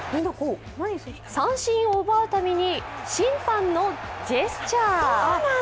三振を奪うたびに審判のジェスチャー。